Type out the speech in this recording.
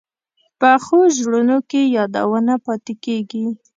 پخو زړونو کې یادونه پاتې کېږي